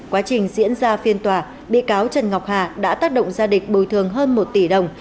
quá trình diễn ra phiên tòa bị cáo trần ngọc hà đã tác động gia đình bồi thường hơn một tỷ đồng